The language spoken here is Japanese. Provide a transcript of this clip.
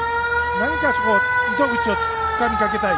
何か糸口をつかみかけたい。